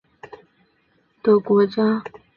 英国是最早建造铁路的国家。